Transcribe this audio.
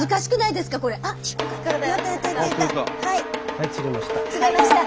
はい釣れました。